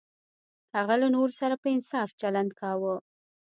هغه له نورو سره په انصاف چلند کاوه.